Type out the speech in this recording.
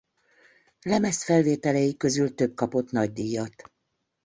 Lemezfelvételei közül több kapott nagydíjat.